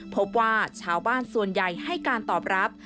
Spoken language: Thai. พบว่าชาวบ้านส่วนใหญ่ให้การตอบรับ